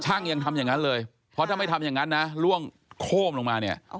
ยังทำอย่างนั้นเลยเพราะถ้าไม่ทำอย่างนั้นนะล่วงโค้มลงมาเนี่ย